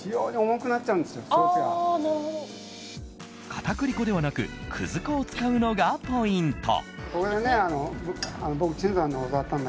片栗粉ではなくくず粉を使うのがポイント。